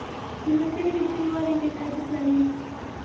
• د ملګري رښتینولي ډېر ارزښت لري.